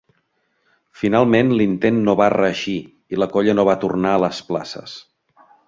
Finalment l'intent no va reeixir i la colla no va tornar a les places.